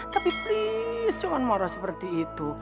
tapi please jangan marah seperti itu